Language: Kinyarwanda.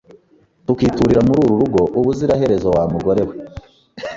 tukiturira muri uru rugo ubuziraherezo wamugorewe